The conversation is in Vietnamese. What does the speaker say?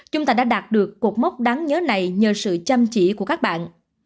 chúng ta đã đạt được cột mốc đáng nhớ này nhờ sự chăm chỉ của các bạn